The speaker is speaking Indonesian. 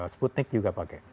sputnik juga pakai